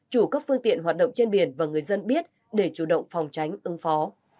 chủ các phương tiện hoạt động trên biển và người dân biết để chủ động phòng tránh ứng phó